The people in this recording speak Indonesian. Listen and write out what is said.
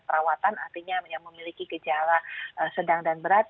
perawatan artinya yang memiliki gejala sedang dan berat